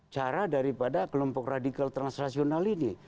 cara daripada kelompok radikal transnasional ini